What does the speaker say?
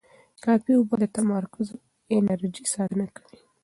کافي اوبه د تمرکز او انرژۍ ساتنه کوي.